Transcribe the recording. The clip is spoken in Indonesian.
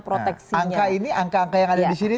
proteksinya angka ini angka angka yang ada disini